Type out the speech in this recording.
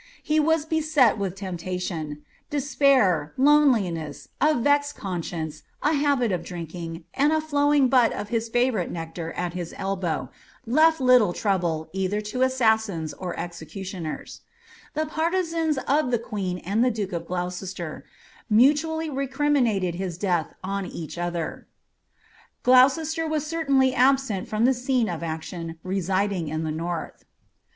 He was beset with temptation ; despair, loneliness, a vexed conscience, a * habit of drinking, and a flowing butt of his favourite nectar at his elbow, left little trouble, either to assassins or executioners^ The partisans of the queen and the duke of Gloucester mutually recriminated his death on each other. Gloucester was certainly absent from the scene of action, residing in the north.